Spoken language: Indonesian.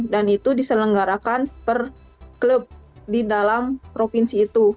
dan itu diselenggarakan per klub di dalam provinsi itu